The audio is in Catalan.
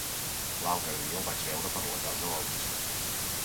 L'altre dia el vaig veure per la Llosa del Bisbe.